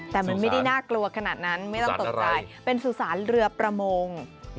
แต่มันไม่ได้น่ากลัวขนาดนั้นไม่ต้องตกใจเป็นสุสานเรือประมง